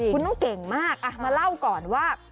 คุณต้องเก่งมากมาเล่าก่อนว่า